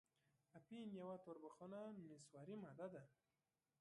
اپین یوه توربخنه نسواري ماده ده.